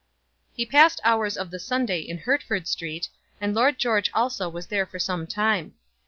He passed hours of the Sunday in Hertford Street, and Lord George also was there for some time.